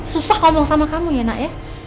susah ngomong sama kamu ya nak ya